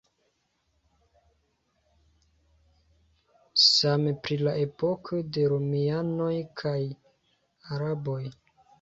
Same pri la epoko de romianoj kaj araboj.